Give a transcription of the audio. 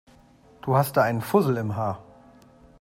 Du hast da einen Fussel im Haar.